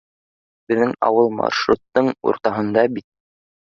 Беҙҙең ауыл маршруттың уртаһында бит.